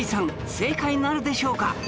正解なるでしょうか？